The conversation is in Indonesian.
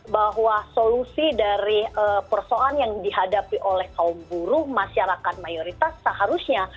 bahwa solusi dari persoalan yang dihadapi oleh kaum buruh masyarakat mayoritas seharusnya